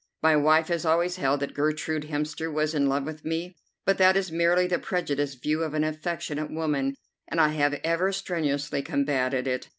My wife has always held that Gertrude Hemster was in love with me, but that is merely the prejudiced view of an affectionate woman, and I have ever strenuously combated it.